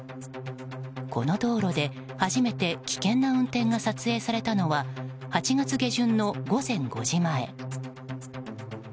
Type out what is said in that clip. この道路で、初めて危険な運転が撮影されたのは８月下旬の午前５時前。